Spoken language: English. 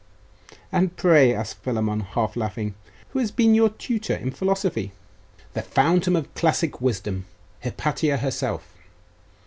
'And pray,' asked Philammon, half laughing, 'who has been your tutor in philosophy?' 'The fountain of classic wisdom, Hypatia herself.